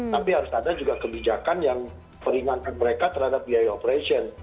tapi harus ada juga kebijakan yang peringankan mereka terhadap biaya operation